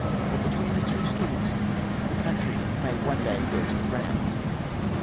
or between the two stools tlie couiitiy may one day go to the gronnd.